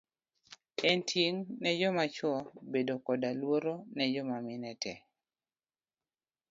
En ting' joma chuo bedo koda luor ne joma mine tee.